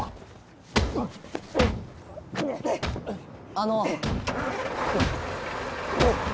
あの